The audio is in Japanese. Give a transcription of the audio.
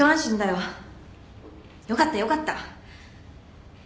よかったよかった。